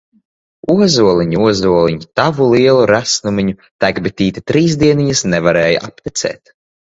Ozoliņ, ozoliņ, Tavu lielu resnumiņu! Tek bitīte trīs dieniņas, Nevarēja aptecēt!